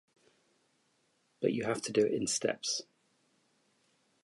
But you have to do it in steps.